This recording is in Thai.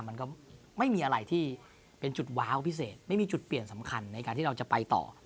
มันก็ไม่มีอะไรที่เป็นจุดว้าวพิเศษไม่มีจุดเปลี่ยนสำคัญในการที่เราจะไปต่อ